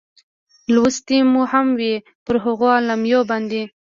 لوستې مو هم وې، پر هغو اعلامیو باندې.